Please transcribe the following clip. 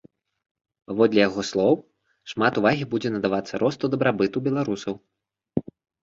Паводле яго слоў, шмат увагі будзе надавацца росту дабрабыту беларусаў.